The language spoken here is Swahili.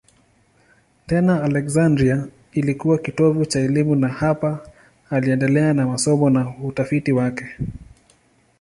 Tena Aleksandria ilikuwa kitovu cha elimu na hapa aliendelea na masomo na utafiti wake.